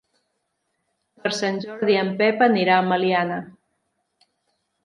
Per Sant Jordi en Pep anirà a Meliana.